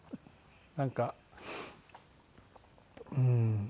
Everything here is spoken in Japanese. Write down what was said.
なんかうーん。